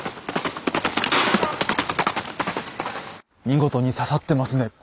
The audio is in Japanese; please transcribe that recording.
見事に刺さってますね。